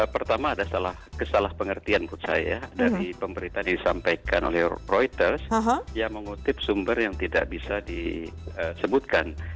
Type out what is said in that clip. pertama ada salah pengertian saya dari pemberitaan yang disampaikan oleh reuters yang mengutip sumber yang tidak bisa disebutkan